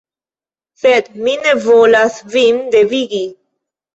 Sed mi ne volas vin devigi.